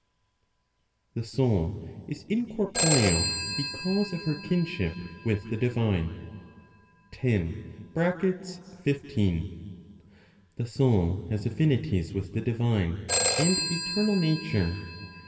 THE SOUL IS INCORPOREAL BECAUSE OF HER KINSHIP WITH THE DIVINE. 10. (15). The soul has affinities with the divine and eternal nature.